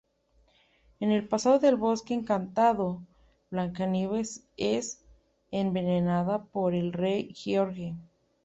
En el pasado del bosque encantado, Blancanieves es envenenada por el Rey George.